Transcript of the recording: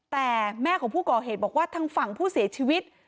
แต่แม่ของผู้ก่อเหตุบอกว่าทางฝั่งผู้เสียชีวิต